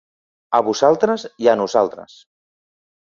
A vosaltres i a nosaltres.